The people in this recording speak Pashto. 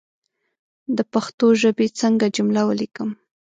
د پښتو ژبى څنګه جمله وليکم